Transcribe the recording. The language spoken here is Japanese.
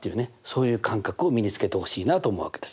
そういう感覚を身につけてほしいなと思うわけです。